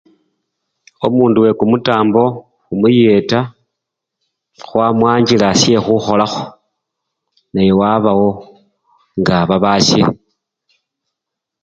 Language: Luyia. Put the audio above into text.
Omundu wekumutambo khumuyeta khwamanjila syekhukholakho naye wabawo nga babasye.